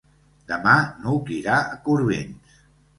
Demà n'Hug irà a Corbins.